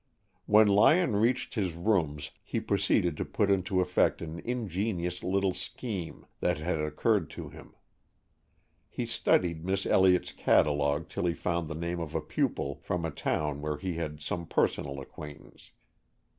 When Lyon reached his rooms he proceeded to put into effect an ingenious little scheme that had occurred to him. He studied Miss Elliott's catalogue till he found the name of a pupil from a town where he had some personal acquaintance.